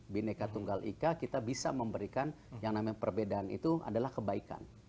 bineka tunggal ika kita bisa memberikan yang namanya perbedaan itu adalah kebaikan